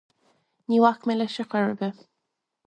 Ní bhacfaidh mé leis ar chor ar bith.